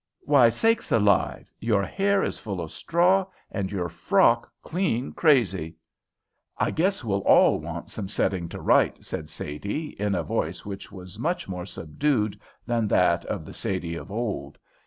Why, sakes alive, your hair is full of straw and your frock clean crazy!" "I guess we all want some setting to right," said Sadie, in a voice which was much more subdued than that of the Sadie of old.